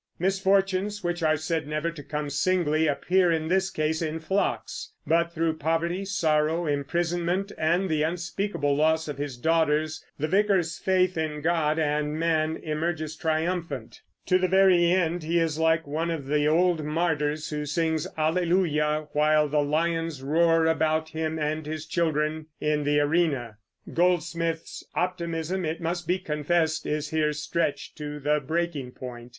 Misfortunes, which are said never to come singly, appear in this case in flocks; but through poverty, sorrow, imprisonment, and the unspeakable loss of his daughters, the Vicar's faith in God and man emerges triumphant. To the very end he is like one of the old martyrs, who sings Alleluia while the lions roar about him and his children in the arena. Goldsmith's optimism, it must be confessed, is here stretched to the breaking point.